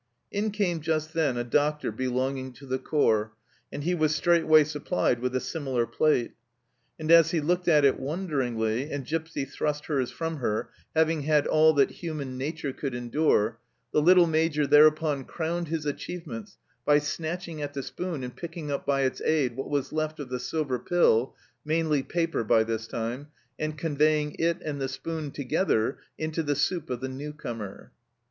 In came just then a doctor belonging to the corps, and he was straightway supplied with a similar plate ; and as he looked at it wonderingly, and Gipsy thrust hers from her, having had all GIPSY AND THE MAJOR 91 that human nature could endure, the little Major thereupon crowned his achievements by snatching at the spoon and picking up by its aid what was left of the silver pill mainly paper by this time and conveying it and the spoon together into the soup of the new comer